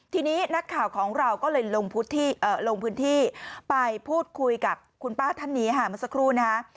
ทีนี้นักข่าวของเราก็เลยลงพื้นที่ไปพูดคุยกับคุณป้าท่านนี้ค่ะเมื่อสักครู่นะฮะ